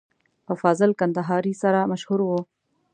په فاضل کندهاري سره مشهور و.